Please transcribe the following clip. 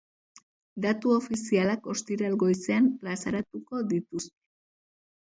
Datu ofizialak ostiral goizean plazaratuko dituzte.